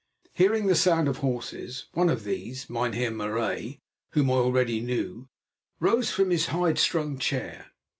Hearing the sound of the horses, one of these, Mynheer Marais, whom I already knew, rose from his hide strung chair.